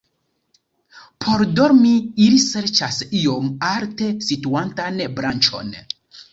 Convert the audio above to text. Por dormi ili serĉas iom alte situantan branĉon.